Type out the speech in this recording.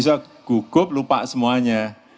karena bisa gugup lupa semuanya